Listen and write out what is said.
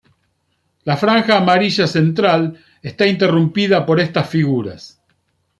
La franja amarilla central está interrumpida por estas figuras.